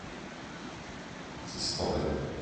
C’est scandaleux